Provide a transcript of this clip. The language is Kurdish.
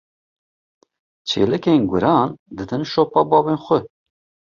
Çêlikên guran didin şopa bavên xwe.